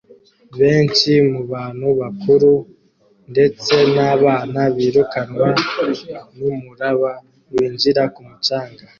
Benshi mu bantu bakuru ndetse n'abana birukanwa n'umuraba winjira ku mucanga